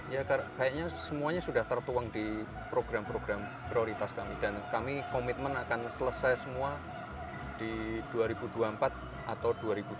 ya kayaknya semuanya sudah tertuang di program program prioritas kami dan kami komitmen akan selesai semua di dua ribu dua puluh empat atau dua ribu dua puluh